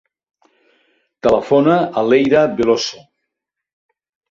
Telefona a l'Eyra Veloso.